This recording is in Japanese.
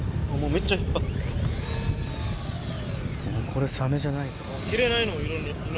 これサメじゃない。